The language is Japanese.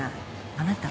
あなた